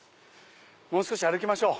もう少し歩きましょう。